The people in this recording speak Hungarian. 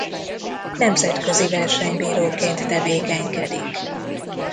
Nemzetközi versenybíróként tevékenykedik.